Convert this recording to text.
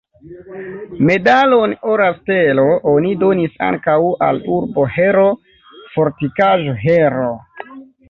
Medalon "Ora stelo" oni donis ankaŭ al "Urbo-Heroo", "Fortikaĵo-Heroo".